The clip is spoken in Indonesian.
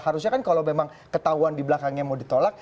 harusnya kan kalau memang ketahuan di belakangnya mau ditolak